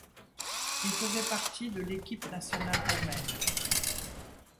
Il faisait partie de l'équipe nationale roumaine.